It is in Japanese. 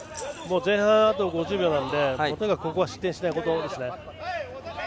前半あと５０秒なのでここは失点しないことですね。